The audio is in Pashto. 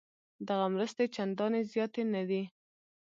دغه مرستې چندانې زیاتې نه دي.